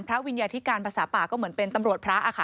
วิญญาธิการภาษาป่าก็เหมือนเป็นตำรวจพระค่ะ